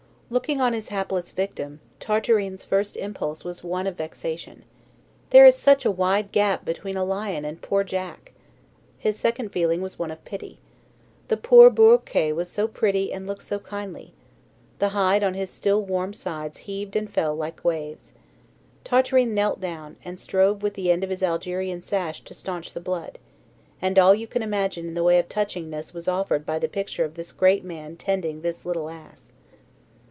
LOOKING on his hapless victim, Tartarin's first impulse was one of vexation. There is such a wide gap between a lion and poor Jack! His second feeling was one of pity. The poor bourriquot was so pretty and looked so kindly. The hide on his still warm sides heaved and fell like waves. Tartarin knelt down, and strove with the end of his Algerian sash to stanch the blood; and all you can imagine in the way of touchingness was offered by the picture of this great man tending this little ass.